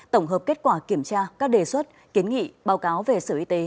tổng hợp kết quả kiểm tra các đề xuất kiến nghị báo cáo về sở y tế